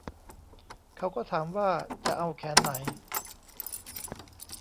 เขาก็ถามว่าจะเอาแขนไหน